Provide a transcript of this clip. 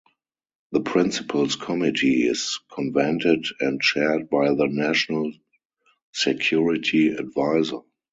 The Principals Committee is convened and chaired by the National Security Advisor.